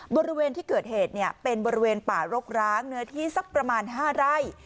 บริเวณที่เกิดเหตุเป็นบริเวณป่ารกร้างเนื้อที่สักประมาณ๕ไร่